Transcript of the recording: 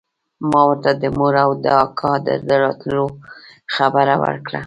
ما ورته د مور او د اکا د راتلو خبره وکړه.